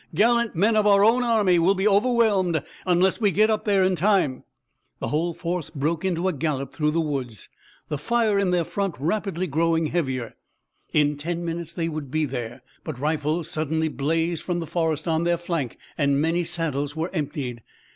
"Gallant men of our own army will be overwhelmed unless we get up in time!" The whole force broke into a gallop through the woods, the fire in their front rapidly growing heavier. In ten minutes they would be there, but rifles suddenly blazed from the forest on their flank and many saddles were emptied.